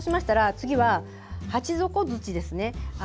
次は鉢底土です。